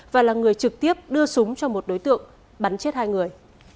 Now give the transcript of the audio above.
và là người trực tiếp đưa súng cho một đối tượng bắn chết hai người